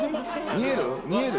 見える？